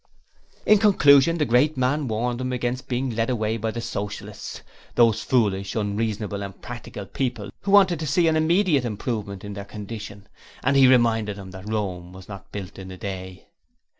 In conclusion, the great man warned them against being led away by the Socialists, those foolish, unreasonable, impractical people who wanted to see an immediate improvement in their condition; and he reminded them that Rome was not built in a day.